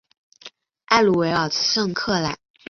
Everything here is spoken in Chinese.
埃鲁维尔圣克莱。